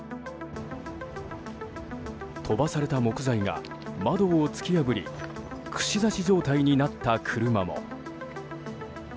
飛ばされた木材が窓を突き破り串刺し状態になった車も。